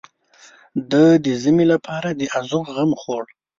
ده د ژمي لپاره د ازوغ غم خوړ.